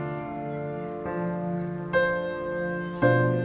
pagi pagi siapa yang dikutuk dan kenapa